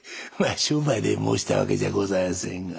あ商売で申した訳じゃございやせんが。